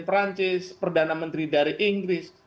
perancis perdana menteri dari inggris